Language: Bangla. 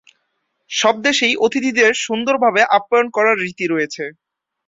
সব দেশেই অতিথিদের সুন্দরভাবে আপ্যায়ন করার রীতি রয়েছে।